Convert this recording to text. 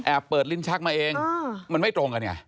เปิดลิ้นชักมาเองมันไม่ตรงกันไง